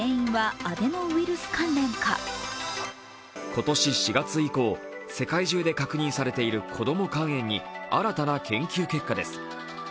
今年４月以降、世界中で確認されている子供肝炎に新たな研究結果です。